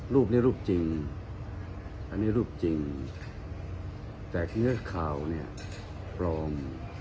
รูปนี้รูปจริงอันนี้รูปจริงแต่เนื้อข่าวเนี่ยปลอม